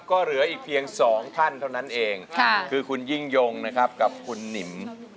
ก็เหลืออีกเพียง๒ท่านเท่านั้นเองคือคุณยิ่งยงนะครับกับคุณหนิม